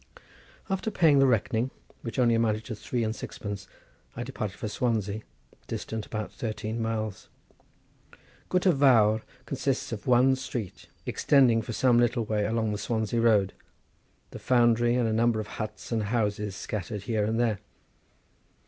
After paying the reckoning, which only amounted to three and sixpence, I departed for Swansea, distant about thirteen miles. Gutter Vawr consists of one street, extending for some little way along the Swansea road, the foundry, and a number of huts and houses scattered here and there.